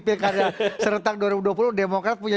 pilkada serentak dua ribu dua puluh demokrat punya